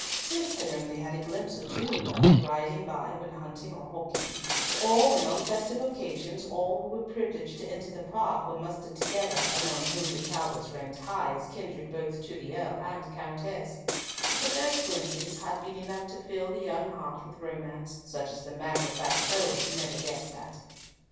Cis had only had a glimpse or two of her, riding by when hunting or hawking, or when, on festive occasions, all who were privileged to enter the park were mustered together, among whom the Talbots ranked high as kindred to both Earl and Countess; but those glimpses had been enough to fill the young heart with romance, such as the matter of fact elders never guessed at.